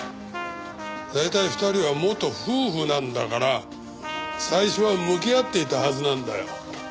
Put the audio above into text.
大体２人は元夫婦なんだから最初は向き合っていたはずなんだよ。